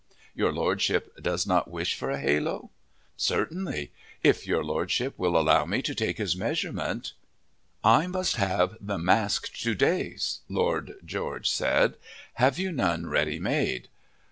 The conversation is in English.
Your Lordship does not wish for a halo? Certainly! If your Lordship will allow me to take his measurement " "I must have the mask to day," Lord George said. "Have you none ready made?"